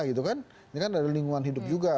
ini kan ada lingkungan hidup juga